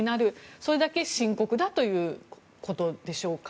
それだけ深刻だということでしょうか。